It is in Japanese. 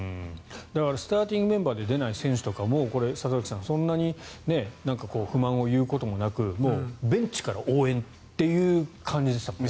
だからスターティングメンバーで出ない選手とかも里崎さん、そんなに不満を言うこともなくベンチから応援っていう感じでしたもんね。